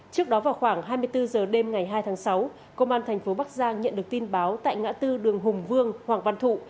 trước đó vào khoảng hai mươi bốn h đêm ngày hai tháng sáu công an thành phố bắc giang nhận được tin báo tại ngã tư đường hùng vương hoàng văn thụ